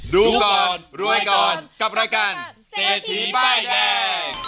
ดูก่อนรวยก่อนกับรายการเศรษฐีป้ายแดง